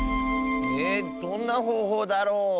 えどんなほうほうだろう？